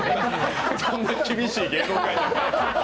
そんな厳しい芸能界。